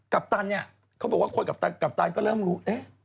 กัปตันเนี่ยเขาบอกว่าคนกัปตันก็เริ่มรู้